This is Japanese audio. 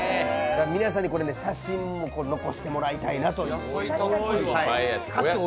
皆さんに、これ写真に残してもらいたいなと思って。